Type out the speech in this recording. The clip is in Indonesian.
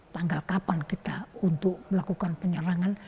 tanggal kapan kita untuk melakukan penyerangan